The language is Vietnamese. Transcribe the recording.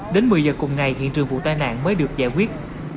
đến một mươi giờ cùng ngày hiện trường vụ tai nạn mới được giải quyết